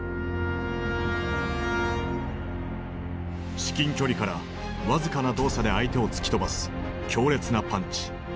至近距離から僅かな動作で相手を突き飛ばす強烈なパンチ。